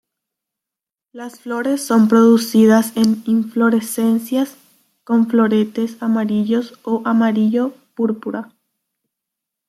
Las flores son producidas en inflorescencias, con floretes amarillos o amarillo-púrpura.